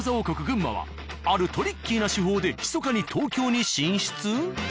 群馬はあるトリッキーな手法で密かに東京に進出？